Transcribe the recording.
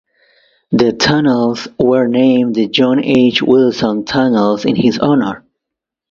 The tunnels were named the John H. Wilson Tunnels in his honor.